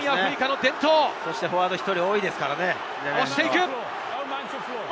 そして、南アフリカはフォワードが１人多いですからね。